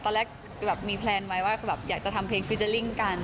ตอนแรกแบบมีแพลนไว้ว่าแบบอยากจะทำเพลงฟิเจอร์ลิ่งกัน